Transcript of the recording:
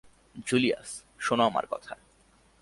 Julius, শোনো আমার কথা।